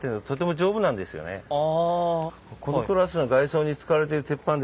このクラスの外装に使われてる鉄板です。